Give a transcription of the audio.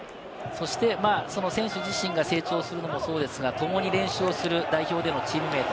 選手自身が成長するのもそうですが、特に練習をする代表でのチームメート。